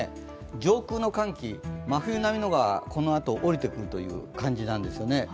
上空の寒気、真冬並みのものがこのあと、おりてくるという感じなんですよね。